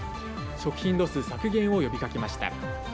食品ロス削減を呼びかけました。